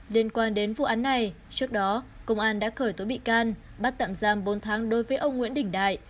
liên quan đến vụ án này trước đó công an đã khởi tố bị can bắt tạm giam bốn tháng đối với ông nguyễn đình đại